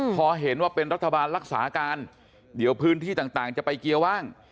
พอเห็นว่าเป็นรัฐบาลรักษาการเดี๋ยวพื้นที่ต่างจะไปเกียร์ว่าง